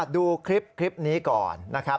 ดูคลิปนี้ก่อนนะครับ